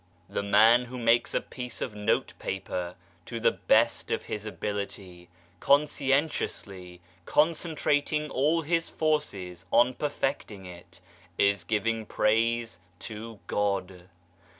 The man who makes a piece of notepaper to the best of his EVIL 165 ability, conscientiously, concentrating all his forces on perfecting it, is giving praise to God.